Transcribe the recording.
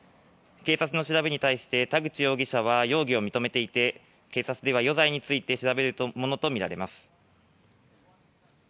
警察の調べに対して田口容疑者は容疑を認めていて警察では余罪について調べるものとみられます。